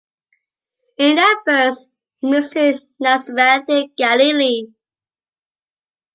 In that verse he moves to Nazareth in Galilee.